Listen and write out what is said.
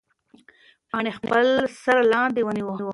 پاڼې خپل سر لاندې ونیوه.